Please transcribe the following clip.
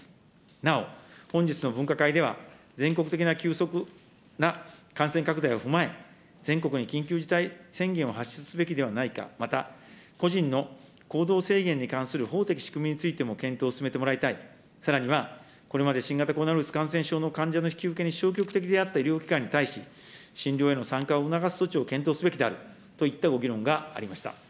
なお、本日の分科会では、全国的な急速な感染拡大を踏まえ、全国に緊急事態宣言を発出すべきではないか、また、個人の行動制限に関する法的仕組みについても検討を進めてもらいたい、さらには、これまで新型コロナウイルス感染症の患者の引き受けに消極的であった医療機関に対し、診療への参加を促す措置を検討すべきであるといったご議論がありました。